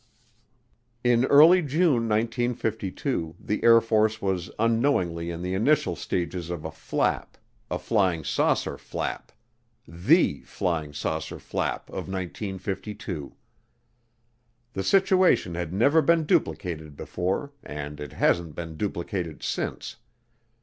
In early June 1952 the Air Force was unknowingly in the initial stages of a flap a flying saucer flap the flying saucer flap of 1952. The situation had never been duplicated before, and it hasn't been duplicated since.